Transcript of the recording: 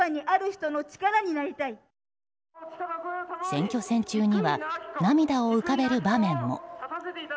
選挙戦中には涙を浮かべる場面も。